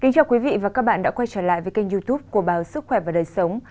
chào các bạn đã quay trở lại với kênh youtube của báo sức khỏe và đời sống